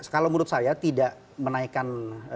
kalau menurut saya tidak menaikkan